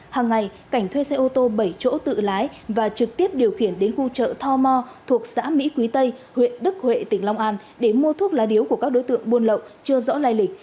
hàng ngày cảnh thuê xe ô tô bảy chỗ tự lái và trực tiếp điều khiển đến khu chợ thò mò thuộc xã mỹ quý tây huyện đức huệ tỉnh long an để mua thuốc lá điếu của các đối tượng buôn lậu chưa rõ lai lịch